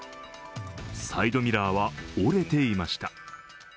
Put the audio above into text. サイドミラーは折れていました。